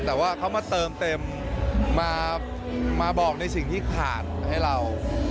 แต่ว่าเขามาเติมเต็มมาบอกในสิ่งที่ขาดให้เรา